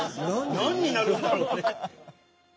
何になるんだろうね。